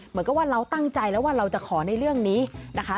เหมือนกับว่าเราตั้งใจแล้วว่าเราจะขอในเรื่องนี้นะคะ